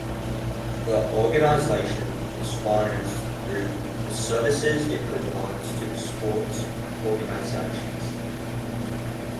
The organisation is financed through the services it provides to the sport organisations.